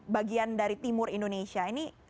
bagian dari timur indonesia ini